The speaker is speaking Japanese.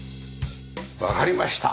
わかりました。